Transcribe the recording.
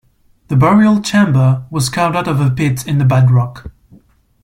The burial chamber was carved out of a pit in the bedrock.